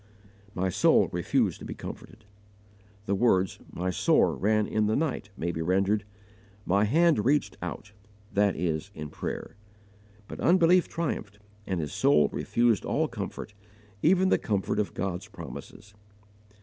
"My soul refused to be comforted." The words, "my sore ran in the night," may be rendered, "my hand reached out" that is in prayer. But unbelief triumphed, and his soul refused all comfort even the comfort of God's promises.